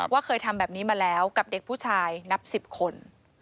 เคยทำแบบนี้มาแล้วกับเด็กผู้ชายนับ๑๐คน